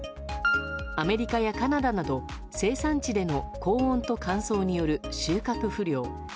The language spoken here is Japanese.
アメリカやカナダなど生産地での高温と乾燥による収穫不良。